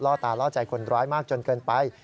ตาล่อใจคนร้ายมากจนเกินไป